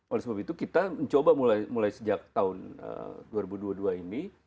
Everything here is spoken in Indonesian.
oleh sebab itu kita mencoba mulai sejak tahun dua ribu dua puluh dua ini